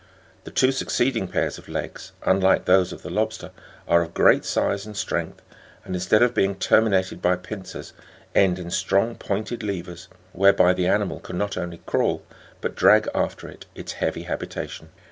The two succeeding pairs of legs, unlike those of the lobster, are of great size and strength ; and, instead of being terminated by pincers, end in strong pointed levers, whereby the animal can not only crawl, but drag after it its heavy habitation."